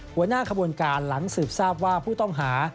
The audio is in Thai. หัวหน้าขบวนการหลังสืบทราบว่าผู้ต้องหา